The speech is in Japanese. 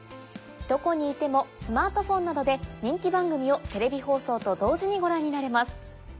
どこにいてもスマートフォンなどで人気番組をテレビ放送と同時にご覧になれます。